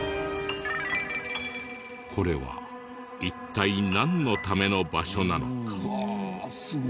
これは一体なんのための場所なのか？